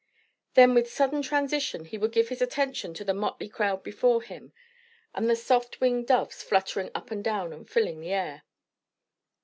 Then with sudden transition he would give his attention to the motley crowd before him, and the soft winged doves fluttering up and down and filling the air.